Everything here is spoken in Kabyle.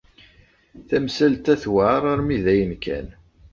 Tamsalt-a tewɛeṛ armi d ayen kan.